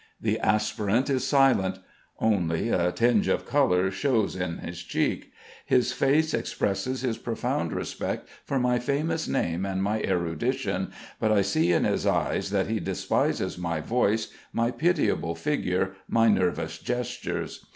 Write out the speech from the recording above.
The aspirant is silent. Only, a tinge of colour shows on his cheek. His face expresses his profound respect for my famous name and my erudition, but I see in his eyes that he despises my voice, my pitiable figure, my nervous gestures.